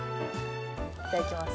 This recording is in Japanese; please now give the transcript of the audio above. いただきます。